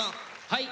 はい。